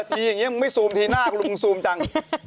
เผอร์ทีนี้มึงไม่ซูมทีหน้ากันมึงซูมจัง